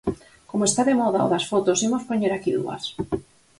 Como está de moda o das fotos, imos poñer aquí dúas.